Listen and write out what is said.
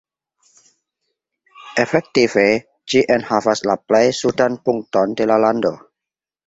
Efektive ĝi enhavas la plej sudan punkton de la lando.